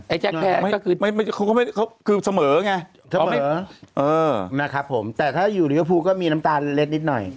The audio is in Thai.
แกะแกะก็คือเขาคือเสมอไงเสมอเออนะครับผมแต่ถ้าอยู่ลิเวอร์ฟูลก็มีน้ำตาลเล็ดนิดหน่อย